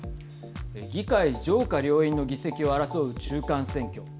議会上下両院の議席を争う中間選挙。